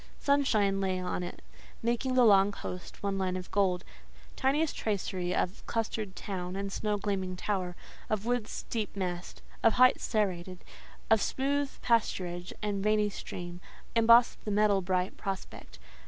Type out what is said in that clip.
Sunshine lay on it, making the long coast one line of gold; tiniest tracery of clustered town and snow gleaming tower, of woods deep massed, of heights serrated, of smooth pasturage and veiny stream, embossed the metal bright prospect.